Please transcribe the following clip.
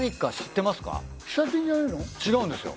違うんですよ。